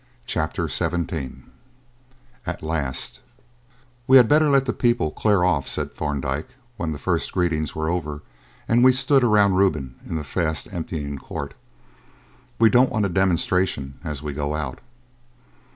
CHAPTER XVII AT LAST "We had better let the people clear off," said Thorndyke, when the first greetings were over and we stood around Reuben in the fast emptying court. "We don't want a demonstration as we go out."